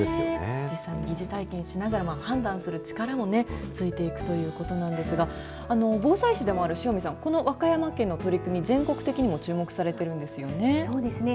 実際に疑似体験しながら、判断する力もね、ついていくということなんですが、防災士でもある塩見さん、この和歌山県の取り組み、全国的にも注目されてるんでそうですね。